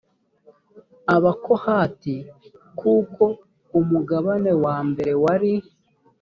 abakohati kuko umugabane wa mbere wari